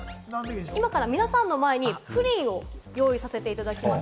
今から皆さんの前にプリンを用意させていただきます。